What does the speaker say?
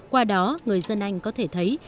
qua đó người dân anh có thể thấy